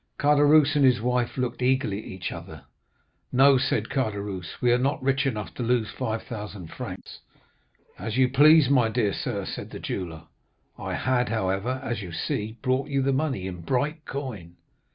"Caderousse and his wife looked eagerly at each other. "'No,' said Caderousse, 'we are not rich enough to lose 5,000 francs.' "'As you please, my dear sir,' said the jeweller; 'I had, however, as you see, brought you the money in bright coin.